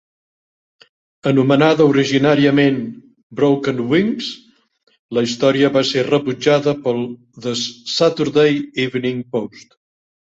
Anomenada originàriament "Broken Wings", la història va ser rebutjada pel The Saturday Evening Post.